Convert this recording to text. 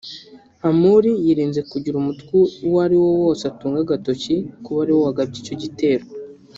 Hamuli yirinze kugira umutwe uwo ari wo wose atunga agatoki kuba ari wo wagabye icyo gitero